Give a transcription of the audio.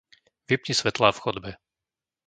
Vypni svetlá v chodbe.